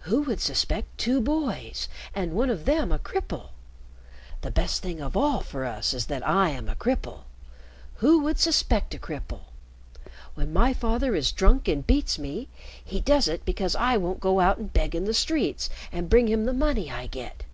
Who would suspect two boys and one of them a cripple? The best thing of all for us is that I am a cripple. Who would suspect a cripple? When my father is drunk and beats me, he does it because I won't go out and beg in the streets and bring him the money I get.